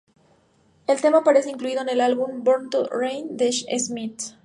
El tema aparece incluido en el álbum: "Born to Reign" de Smith.